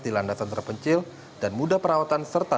di landasan terpencil dan mudah perawatan serta